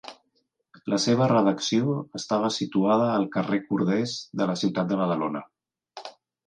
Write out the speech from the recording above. La seva redacció estava situada al carrer Corders de la ciutat de Badalona.